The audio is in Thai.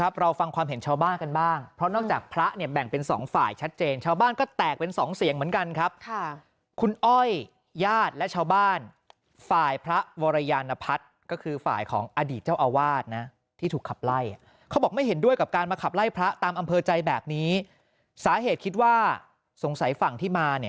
เราฟังความเห็นชาวบ้านกันบ้างเพราะนอกจากพระเนี่ยแบ่งเป็นสองฝ่ายชัดเจนชาวบ้านก็แตกเป็นสองเสียงเหมือนกันครับค่ะคุณอ้อยญาติและชาวบ้านฝ่ายพระวรยานพัฒน์ก็คือฝ่ายของอดีตเจ้าอาวาสนะที่ถูกขับไล่เขาบอกไม่เห็นด้วยกับการมาขับไล่พระตามอำเภอใจแบบนี้สาเหตุคิดว่าสงสัยฝั่งที่มาเนี่ย